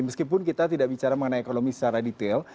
meskipun kita tidak bicara mengenai ekonomi secara detail